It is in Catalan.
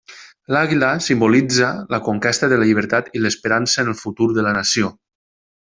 L'àguila simbolitza la conquesta de la llibertat i l'esperança en el futur de la nació.